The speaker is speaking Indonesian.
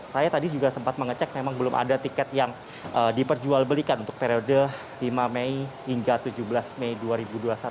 saya tadi juga sempat mengecek memang belum ada tiket yang diperjualbelikan untuk periode lima mei hingga tujuh belas mei